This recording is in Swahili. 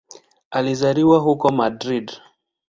Alizaliwa huko Madrid.